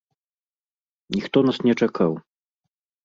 Ніхто нас не чакаў.